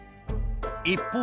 一方